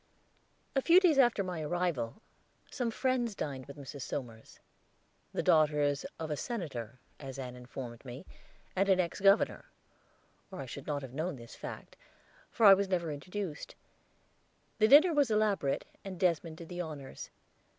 A few days after my arrival, some friends dined with Mrs. Somers. The daughters of a senator, as Ann informed me, and an ex governor, or I should not have known this fact, for I was not introduced. The dinner was elaborate, and Desmond did the honors.